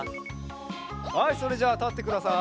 はいそれじゃあたってください。